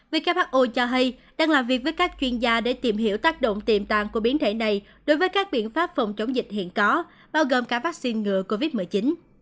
who cho hay đang làm việc với các chuyên gia để tìm hiểu tác động tiềm tàng của biến thể này đối với các biện pháp phòng chống dịch hiện có bao gồm cả vaccine ngừa covid một mươi chín